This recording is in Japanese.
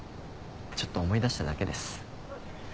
ちょっと思い出しただけです。